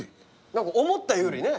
何か思ったよりね。